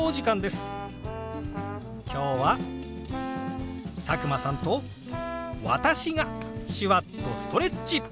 今日は佐久間さんと私が手話っとストレッチ！